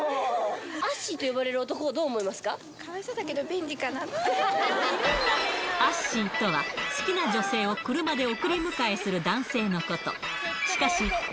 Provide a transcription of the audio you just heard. アッシーと呼ばれる男をどうかわいそうだけど便利かなっアッシーとは、好きな女性を車で送り迎えする男性のこと。